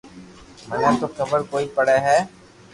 مني تو خبر ڪوئي پڙي ھي